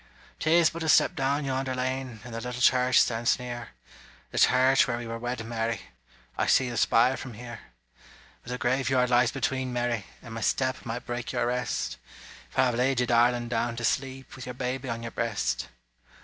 'Tis but a step down yonder lane, And the little church stands near The church where we were wed, Mary; I see the spire from here. But the graveyard lies between, Mary, And my step might break your rest For I've laid you, darling! down to sleep, With your baby on your breast.